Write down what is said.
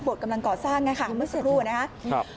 กำลังก่อสร้างนะคะเมื่อสักครู่นะครับ